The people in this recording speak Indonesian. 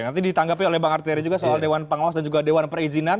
nanti ditanggapi oleh bang arteri juga soal dewan pengawas dan juga dewan perizinan